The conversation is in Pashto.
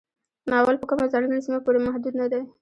ناول په کومه ځانګړې سیمه پورې محدود نه دی.